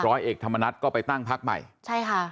ตรเอกธรรมนัฐก็ไปตั้งพรรคไปใช่ค่ะ